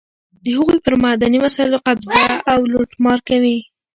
د هغوی پر معدني وسایلو قبضه او لوټمار کوي.